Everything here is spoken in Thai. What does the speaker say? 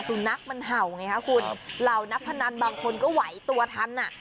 สุนัขมันเห่าไงคะคุณเหล่านักพนันบางคนก็ไหวตัวทันอ่ะ